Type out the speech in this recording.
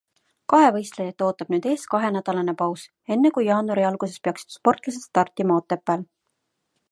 Kahevõistlejaid ootab nüüd ees kahenädalane paus, enne kui jaanuari alguses peaksid sportlased startima Otepääl.